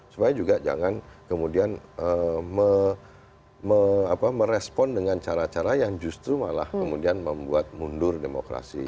supaya juga jangan kemudian merespon dengan cara cara yang justru malah kemudian membuat mundur demokrasi